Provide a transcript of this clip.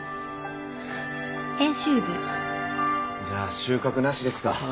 じゃあ収穫なしですか？